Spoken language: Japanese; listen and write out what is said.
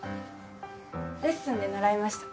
レッスンで習いました。